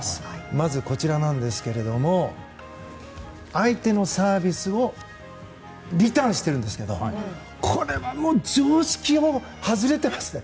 まずこちらなんですが相手のサービスをリターンしてるんですがこれはもう常識を外れてますね。